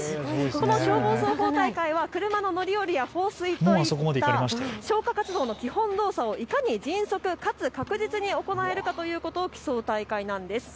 その消防操法大会は車の乗り降りや放水といった消火活動の基本動作をいかに迅速、かつ確実に行えるかということを競う大会です。